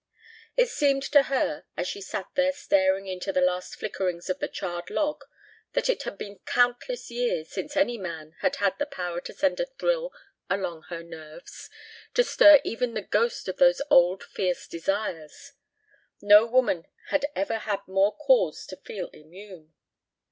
It seemed to her as she sat there staring into the last flickerings of the charred log that it had been countless years since any man had had the power to send a thrill along her nerves, to stir even the ghost of those old fierce desires. No woman had ever had more cause to feel immune.